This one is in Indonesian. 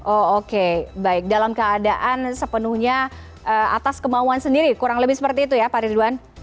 oh oke baik dalam keadaan sepenuhnya atas kemauan sendiri kurang lebih seperti itu ya pak ridwan